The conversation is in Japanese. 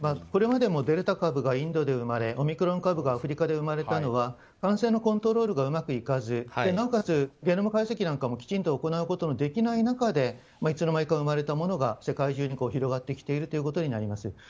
これまでもデルタ株がインドで生まれてオミクロン株がアフリカで生まれたのは感染のコントロールがうまくいかずなおかつ、ゲノム解析なんかもきちんと行うことができない中でいつの間にか生まれたものが世界中に広がってきているということになります。